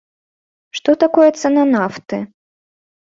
Што такое цана нафты?